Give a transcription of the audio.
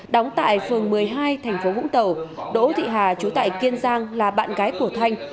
đóng tại phường một mươi hai thành phố vũng tàu đỗ thị hà chú tại kiên giang là bạn gái của thanh